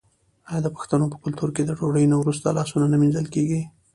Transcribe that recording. آیا د پښتنو په کلتور کې د ډوډۍ نه وروسته لاسونه نه مینځل کیږي؟